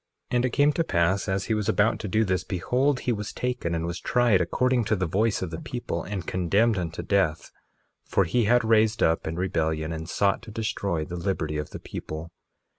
1:8 And it came to pass as he was about to do this, behold, he was taken, and was tried according to the voice of the people, and condemned unto death; for he had raised up in rebellion and sought to destroy the liberty of the people.